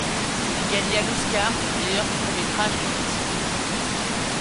Il gagna l'Oscar du meilleur court-métrage de fiction.